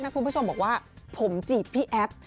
คุณผู้ชมบอกว่าผมจีบพี่แอฟ